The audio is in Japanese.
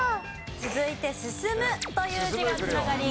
続いて「進む」という字が繋がり